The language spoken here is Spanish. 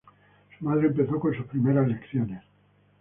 Su madre empezó con sus primeras lecciones.